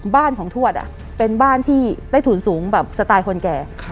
บ้านของทวดเป็นบ้านที่ได้ถูนสูงแบบสไตล์คนแก่